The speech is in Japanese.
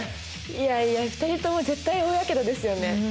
いやいや２人とも絶対大やけどですよね！